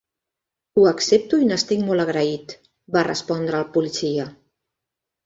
"Ho accepto i n'estic molt agraït", va respondre el policia.